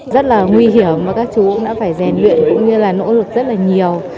rất là nguy hiểm mà các chú đã phải rèn luyện cũng như là nỗ lực rất là nhiều